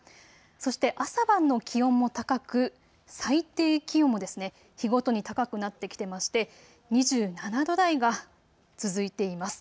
そして朝晩の気温も高く最低気温も日ごとに高くなってきていまして２７度台が続いています。